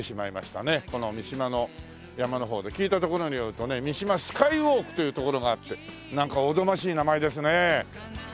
この三島の山の方で聞いたところによるとね三島スカイウォークという所があってなんかおぞましい名前ですね。